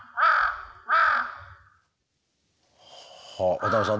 渡辺さん